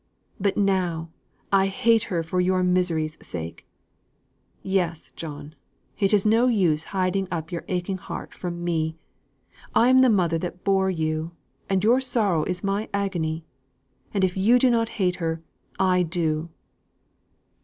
But now, I hate her for your misery's sake. Yes, John, it's no use hiding up your aching heart from me. I am the mother that bore you, and your sorrow is my agony; and if you don't hate her, I do."